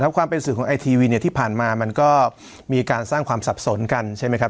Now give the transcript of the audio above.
ความเป็นสื่อของไอทีวีเนี่ยที่ผ่านมามันก็มีการสร้างความสับสนกันใช่ไหมครับ